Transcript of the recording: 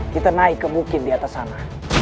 kita naik ke bukit di atas sana